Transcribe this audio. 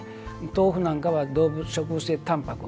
豆腐なんかは植物性たんぱく。